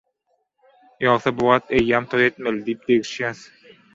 Ýogsa bu wagt eýýäm toý etmeli» diýip degişýäs.